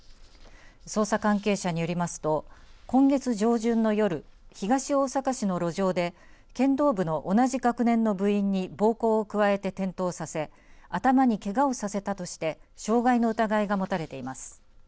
捜査関係者によりますと今月上旬の夜東大阪市の路上で剣道部の同じ学年の部員に暴行を加えて転倒させ頭にけがをさせたとして傷害の疑いが持たれています。